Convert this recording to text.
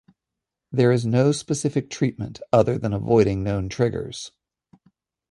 There is no specific treatment, other than avoiding known triggers.